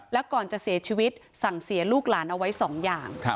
แล้วก่อนจะเสียชีวิตสั่งเสียลูกหลานเอาไว้๒อย่าง